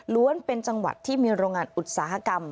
เป็นจังหวัดที่มีโรงงานอุตสาหกรรม